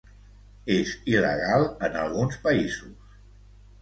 És il·legal en alguns països.